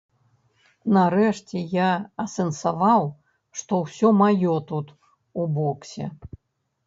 Нарэшце я асэнсаваў, што ўсё маё тут, у боксе.